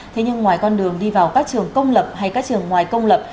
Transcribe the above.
thế nhưng ngoài con đường đi vào các trường công lập hay các trường ngoài công lập